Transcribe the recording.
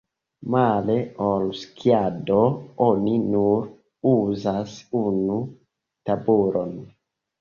Male ol skiado oni nur uzas unu tabulon.